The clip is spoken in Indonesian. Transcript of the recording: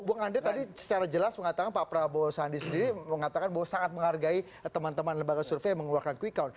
bung andre tadi secara jelas mengatakan pak prabowo sandi sendiri mengatakan bahwa sangat menghargai teman teman lembaga survei yang mengeluarkan quick count